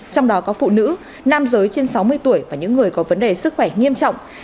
trong đó có phụ nữ nam giới trên sáu mươi tuổi và những người có vấn đề sức khỏe nghiêm trọng